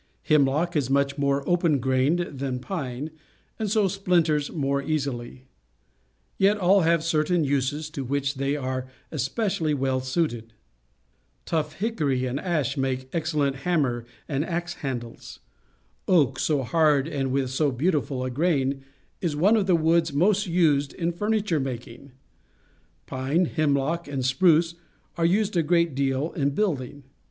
Hemlock is much more open grained than pine, and so .splinters more easily. Yet all have certain uses to which they are especially well suited. Tough hickory and ash make excellent A modern Method of cutting Logs MEN WHO LIVE BY LUMBERING AND MINING 17 hammer and axe handles. Oak, so hard and with 8o beautiful a grain, is one of the woods most used in furniture making. Pine, hem lock, and spruce are used a great deal in building.